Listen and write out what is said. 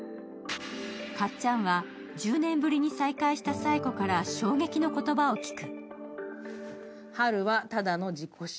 かっちゃんは１０年ぶりに再会したサエコから連絡がきて衝撃の言葉を聞く。